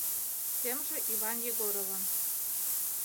Семже Иван Егоровын